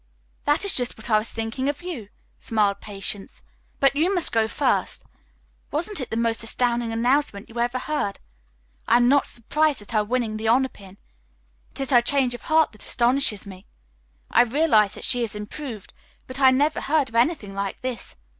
"That is just what I was thinking of you," smiled Patience. "But you must go first. Wasn't it the most astounding announcement you ever heard. I am not surprised at her winning the honor pin. It is her change of heart that astonishes me. I realized that she had improved, but I never heard of anything like this.